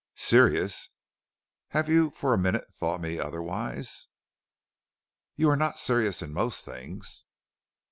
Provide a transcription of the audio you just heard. "Serious? Have you for a minute thought me otherwise?" "You are not serious in most things."